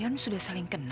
apa apa saja itu penting